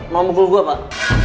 mau mukul gue pak